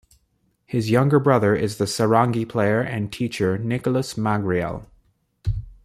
His younger brother is the sarangi player and teacher Nicolas Magriel.